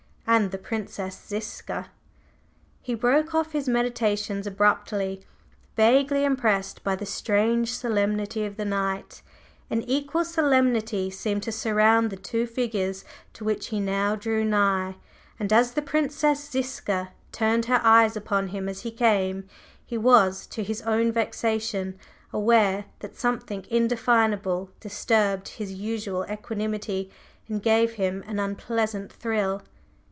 And the Princess Ziska …" He broke off his meditations abruptly, vaguely impressed by the strange solemnity of the night. An equal solemnity seemed to surround the two figures to which he now drew nigh, and as the Princess Ziska turned her eyes upon him as he came, he was, to his own vexation, aware that something indefinable disturbed his usual equanimity and gave him an unpleasant thrill.